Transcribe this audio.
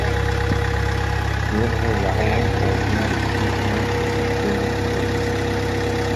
Mehrere Jahre lang war Simon Wiesenthal geschäftsführender Präsident.